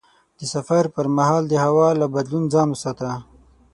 د سفر پر مهال د هوا له بدلون ځان وساته.